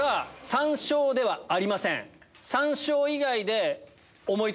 山椒ではありません。